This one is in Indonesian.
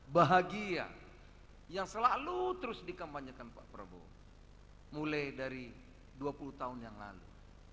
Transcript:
bahagia yang selalu terus dikampanyekan pak prabowo mulai dari dua puluh tahun yang lalu